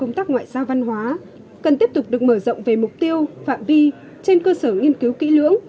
công tác ngoại giao văn hóa cần tiếp tục được mở rộng về mục tiêu phạm vi trên cơ sở nghiên cứu kỹ lưỡng